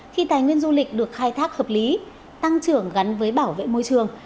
khi tài nguyên du lịch được khai thác hợp lý tăng trưởng gắn với bảo vệ môi trường